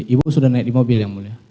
ibu sudah naik di mobil yang mulia